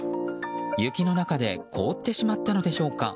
雪の中で凍ってしまったのでしょうか